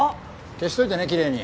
消しといてねキレイに。